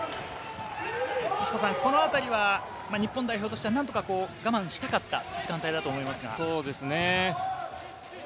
このあたりは日本代表としては何とか我慢したかった時間帯だと思いますが。